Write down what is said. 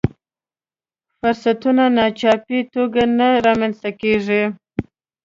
فرصتونه ناڅاپي توګه نه رامنځته کېږي.